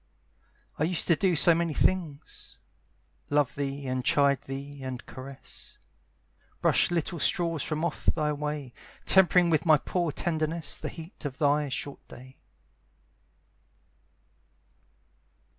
I used to do so many things, Love thee and chide thee and caress; Brush little straws from off thy way, Tempering with my poor tenderness The heat of thy short day.